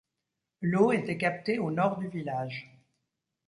L’eau était captée au nord du village.